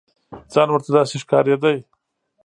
ځان ورته داسې ښکارېده.